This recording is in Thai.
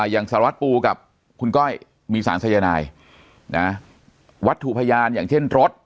สารวัตรปูกับคุณก้อยมีสารสายนายนะวัตถุพยานอย่างเช่นรถ